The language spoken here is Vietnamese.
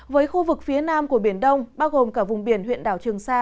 với khu vực phía nam của biển đông bao gồm cả vùng biển huyện đảo trường sa